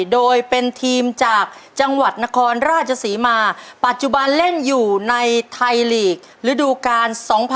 โดยเป็นทีมจากจังหวัดนครราชศรีมาปัจจุบันเล่นอยู่ในไทยลีกระดูกาล๒๐๑๖